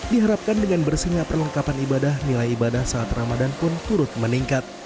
diharapkan dengan bersihnya perlengkapan ibadah nilai ibadah saat ramadan pun turut meningkat